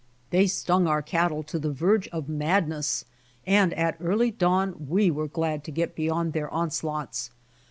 They stnng our cattle to tlie verge of mad ness, and at early dawn we were glad to get beyond their onslaughts.